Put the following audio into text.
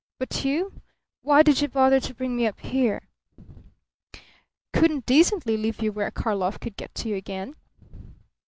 But you? Why did you bother to bring me up here?" "Couldn't decently leave you where Karlov could get to you again."